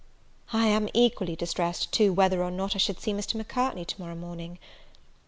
I am equally distressed, too, whether or not I should see Mr. Macartney to morrow morning.